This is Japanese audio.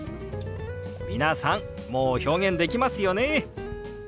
皆さんもう表現できますよね。